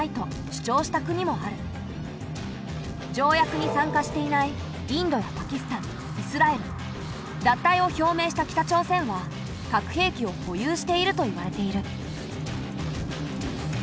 条約に参加していないインドやパキスタンイスラエル脱退を表明した北朝鮮は核兵器を保有しているといわれている。